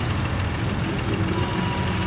「４０分後」